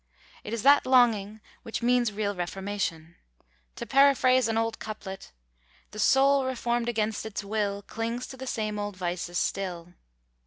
It is that longing which means real reformation. To paraphrase an old couplet The soul reformed against its will Clings to the same old vices still.